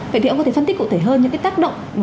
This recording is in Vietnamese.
vậy thì ông có thể phân tích cụ thể hơn những cái tác động